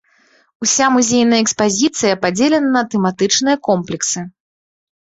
Уся музейная экспазіцыя падзелена на тэматычныя комплексы.